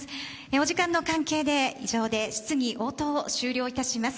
お時間の関係で以上で質疑応答を終了いたします。